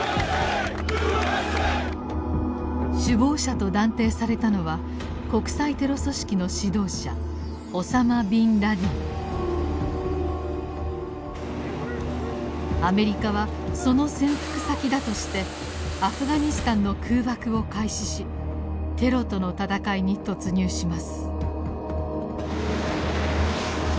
首謀者と断定されたのはアメリカはその潜伏先だとしてアフガニスタンの空爆を開始しテロとの戦いに突入します。